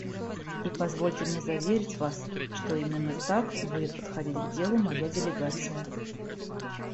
И позвольте мне заверить вас, что именно так будет подходить к делу моя делегация.